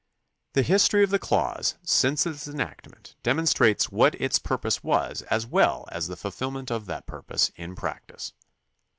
The history of the clause since its enactment demonstrates what its pur pose was as weU as the fulfilment of that purpose in practice.